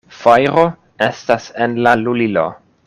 Fajro estas en la lulilo!